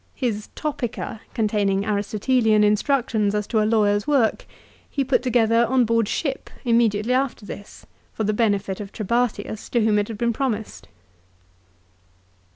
His " Topica," contain ing Aristotelian instructions as to a lawyer's work, he put together on board ship immediately after this, for the benefit of Trebatius, to whom it had been promised